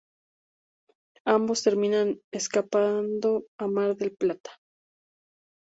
Ambos terminan escapando a Mar del Plata.